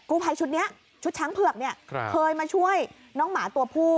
ภัยชุดนี้ชุดช้างเผือกเนี่ยเคยมาช่วยน้องหมาตัวผู้